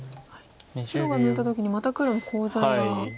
白が抜いた時にまた黒もコウ材が。